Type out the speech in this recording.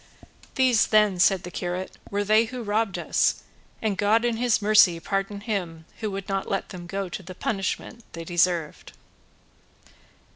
"These, then," said the curate, "were they who robbed us; and God in his mercy pardon him who would not let them go to the punishment they deserved."